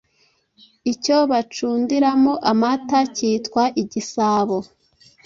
Icyo bacundiramo amata cyitwa Igisabo